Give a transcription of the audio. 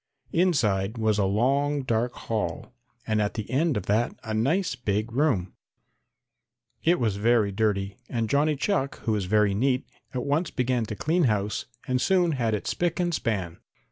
Inside was a long dark hall and at the end of that a nice big room. It was very dirty, and Johnny Chuck, who is very neat, at once began to clean house and soon had it spick and span.